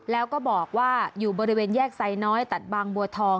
แล้วก็บอกว่าอยู่บริเวณแยกไซน้อยตัดบางบัวทอง